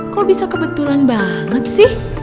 kok bisa kebetulan banget sih